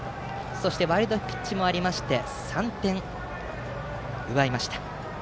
そしてワイルドピッチもあって３点を奪いました。